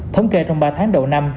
thống kê trong ba tháng đầu năm